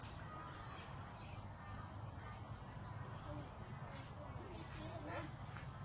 ทุกวันใหม่ทุกวันใหม่